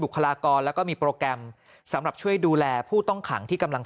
คลากรแล้วก็มีโปรแกรมสำหรับช่วยดูแลผู้ต้องขังที่กำลัง